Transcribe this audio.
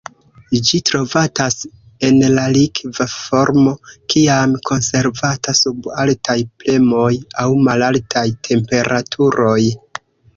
Ĝi trovatas en la likva formo kiam konservata sub altaj premoj aŭ malaltaj temperaturoj.